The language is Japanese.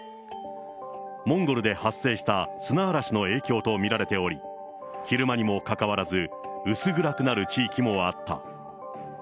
モンゴルで発生した砂嵐の影響と見られており、昼間にもかかわらず、薄暗くなる地域もあった。